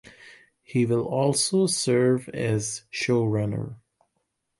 He will also serve as showrunner.